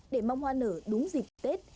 để mong hoa nở đúng dịch tết